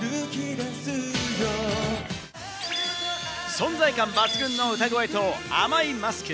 存在感抜群の歌声と甘いマスク。